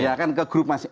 ya kan ke grup masih